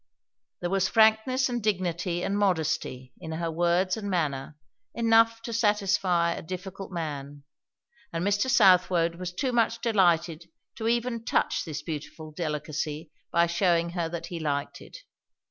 There was frankness and dignity and modesty in her words and manner, enough to satisfy a difficult man; and Mr. Southwode was too much delighted to even touch this beautiful delicacy by shewing her that he liked it.